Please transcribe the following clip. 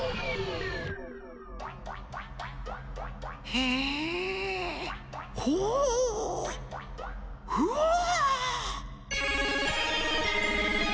へえほうふわあ。